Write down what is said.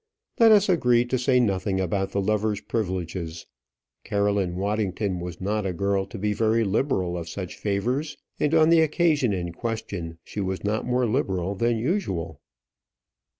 Let us agree to say nothing about the lovers' privileges. Caroline Waddington was not a girl to be very liberal of such favours, and on the occasion in question she was not more liberal than usual.